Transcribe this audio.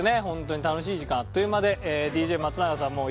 本当に楽しい時間あっという間でＤＪ松永さん